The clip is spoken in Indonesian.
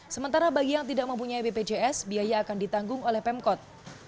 sementara bagi yang tidak mempunyai bpjs biaya akan ditanggung oleh pemkot